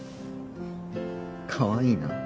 かわいいな。